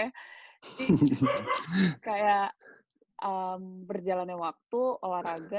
jadi kayak berjalannya waktu waraga